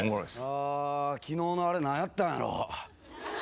あ昨日のあれ何やったんやろう。